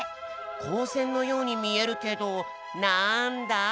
こうせんのように見えるけどなんだ？